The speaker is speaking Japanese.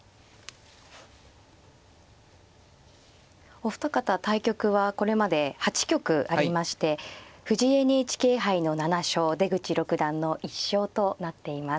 お二方対局はこれまで８局ありまして藤井ＮＨＫ杯の７勝出口六段の１勝となっています。